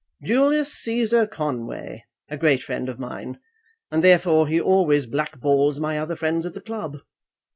"Julius Cæsar Conway; a great friend of mine, and therefore he always blackballs my other friends at the club.